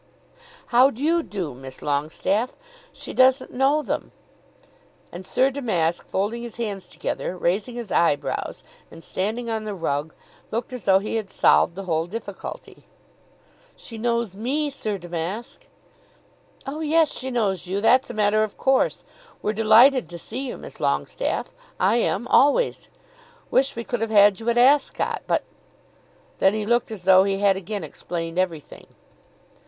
"How'd you do, Miss Longestaffe? She doesn't know them." And Sir Damask, folding his hands together, raising his eyebrows, and standing on the rug, looked as though he had solved the whole difficulty. [Illustration: Sir Damask solving the difficulty.] "She knows me, Sir Damask." "Oh yes; she knows you. That's a matter of course. We're delighted to see you, Miss Longestaffe I am, always. Wish we could have had you at Ascot. But ." Then he looked as though he had again explained everything.